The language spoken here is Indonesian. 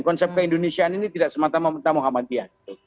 konsep keindonesiaan ini tidak semata mata muhammadiyah